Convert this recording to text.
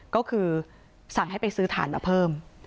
ก็คือสั่งให้ไปซื้อฐานมาเพิ่ม